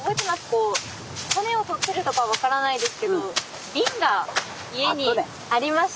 こうタネをとってるとか分からないですけど瓶が家にありました。